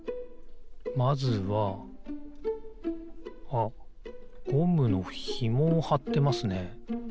あっゴムのひもをはってますね。